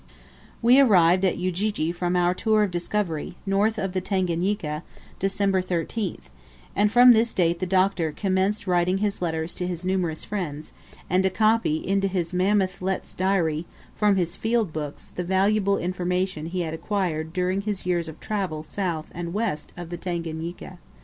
We arrived at Ujiji from our tour of discovery, north of the Tanganika, December 13th; and from this date the Doctor commenced writing his letters to his numerous friends, and to copy into his mammoth Letts's Diary, from his field books, the valuable information he had acquired during his years of travel south and west of the Tanganika.